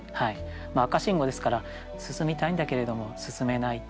赤信号ですから進みたいんだけれども進めないっていう。